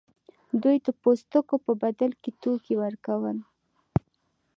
دوی د پوستکو په بدل کې توکي ورکول.